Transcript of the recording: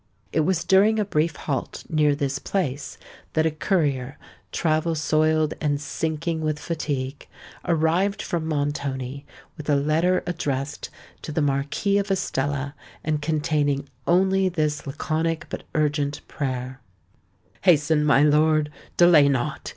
It was during a brief halt near this place, that a courier, travel soiled and sinking with fatigue, arrived from Montoni, with a letter addressed to the Marquis of Estella and containing only this laconic but urgent prayer:— "Hasten, my lord—delay not!